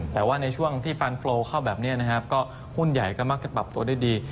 แต่ว่าในช่วงที่ฟันโฟลเข้าแบบนี้นะครับก็หุ้นใหญ่ก็มักจะปรับตัวได้ดี